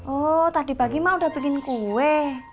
oh tadi pagi mah udah bikin kue